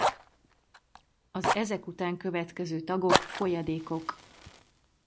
Az ezek után következő tagok folyadékok.